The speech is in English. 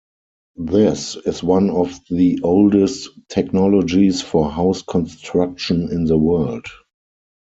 This is one of the oldest technologies for house construction in the world.